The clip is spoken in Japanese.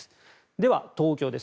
では、東京です。